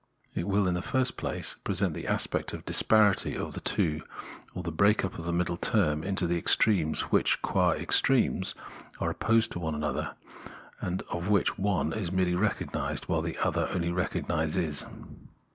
It will, in the first place, present the aspect of the disparity of the two, or the break up of the middle term into the extremes, which, qua extremes, are opposed to one another, and of which one is merely recognised, while the other only recognises.